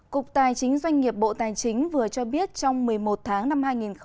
cục tài chính doanh nghiệp bộ tài chính vừa cho biết trong một mươi một tháng năm hai nghìn hai mươi